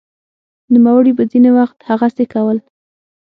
نوموړي به ځیني وخت هغسې کول